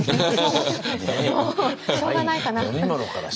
しょうがないかな？